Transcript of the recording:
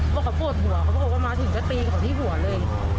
ว่าเขาโปรดหัวเขาก็พบว่ามาถึงกระตีเขาที่หัวเลย